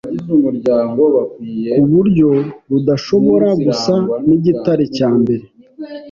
kuburyo rudashobora gusa nigitare cyambere